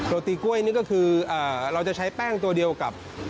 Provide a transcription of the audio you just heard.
ตีกล้วยนี่ก็คือเราจะใช้แป้งตัวเดียวกับ